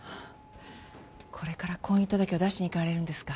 これから婚姻届を出しに行かれるんですか？